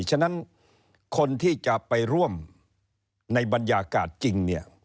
ฉะนั้นคนที่จะไปร่วมในบรรยากาศจริงเนี่ย